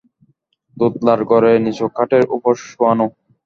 দোতলার ঘরে নিচু খাটের ওপর শোয়ানো।